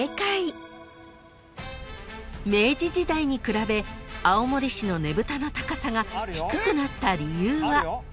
［明治時代に比べ青森市のねぶたの高さが低くなった理由は］